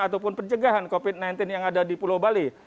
ataupun pencegahan covid sembilan belas yang ada di pulau bali